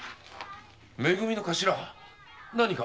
め組の頭何か？